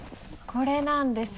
これなんですが。